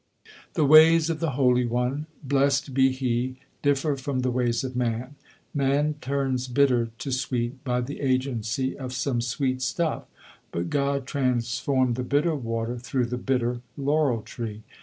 The ways of the Holy One, blessed be He, differ from the ways of man: Man turns bitter to sweet by the agency of some sweet stuff, but God transformed the bitter water through the bitter laurel tree.